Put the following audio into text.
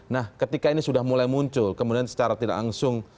nah ketika ini sudah mulai muncul kemudian secara tidak langsung